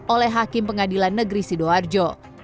oleh hakim pengadilan negeri sidoarjo